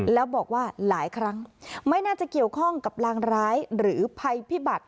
แล้วบอกว่าหลายครั้งไม่น่าจะเกี่ยวข้องกับรางร้ายหรือภัยพิบัติ